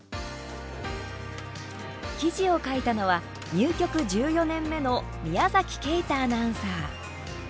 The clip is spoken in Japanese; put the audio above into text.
記事を書いたのは入局１４年目の宮崎慶太アナウンサー。